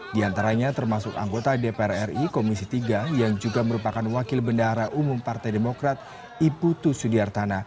di antaranya termasuk anggota dpr ri komisi tiga yang juga merupakan wakil bendahara umum partai demokrat iputu sudiartana